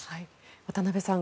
渡部さん